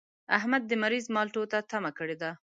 احمد د مريض مالټو ته تمه کړې ده.